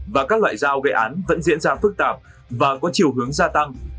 và các loại dao gây án vẫn diễn ra phức tạp và có chiều hướng gia tăng